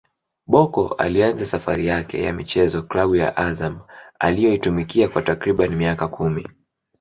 Bocco alianza safari yake ya michezo klabu ya Azam aliyoitumikia kwa takriban miaka kumi